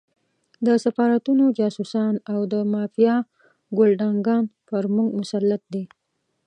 د سفارتونو جاسوسان او د مافیا ګُلډانګان پر موږ مسلط دي.